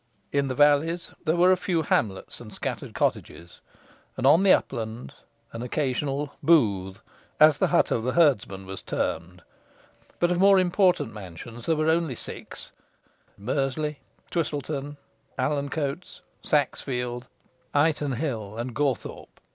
In the valleys there were a few hamlets and scattered cottages, and on the uplands an occasional "booth," as the hut of the herdsman was termed; but of more important mansions there were only six, as Merley, Twistleton, Alcancoats, Saxfeld, Ightenhill, and Gawthorpe.